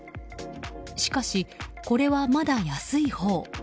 しかし、これはまだ安いほう。